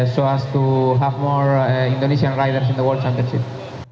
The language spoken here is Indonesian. supaya kita dapat memiliki lebih banyak pembalap indonesia di world championship